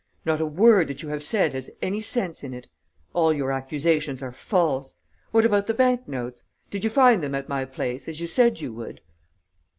Not a word that you have said has any sense in it. All your accusations are false. What about the bank notes? Did you find them at my place as you said you would?"